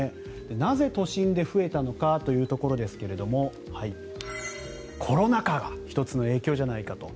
なぜ、都心で増えたのかですがコロナ禍が１つの影響じゃないかと。